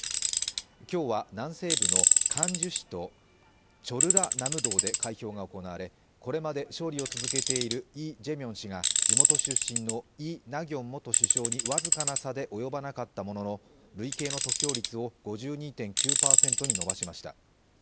今日は、南西部のクァンジュ市とチョルラナムドで開票が行われ、これまで勝利を続けているイ・ジェミョン氏が地元出身のイ・ナギョン元首相に僅かな差でおよばなかったものの累計の得票率を６２．９％に伸ばしました。